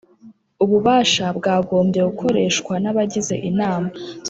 ububasha bwagombye gukoreshwa n abagize Inama